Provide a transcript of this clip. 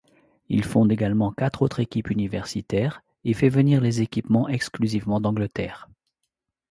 Il fonde également quatre autres équipes universitaires, et fait venir les équipements exclusivement d'Angleterre.